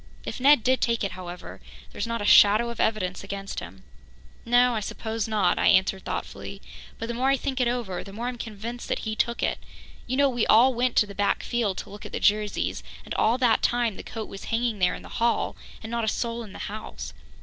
If Ned did take it, however, there's not a shadow of evidence against him." "No, I suppose not," I answered thoughtfully, "but the more I think it over, the more I'm convinced that he took it. You know, we all went to the back field to look at the Jerseys, and all that time the coat was hanging there in the hall, and not a soul in the house.